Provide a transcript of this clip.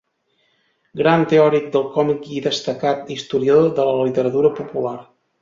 Gran teòric del còmic i destacat historiador de la literatura popular.